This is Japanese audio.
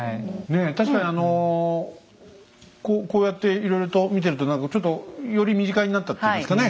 ねえ確かにこうやっていろいろと見てると何かちょっとより身近になったっていいますかね